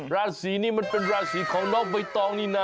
ราศีนี้มันเป็นราศีของน้องใบตองนี่นะ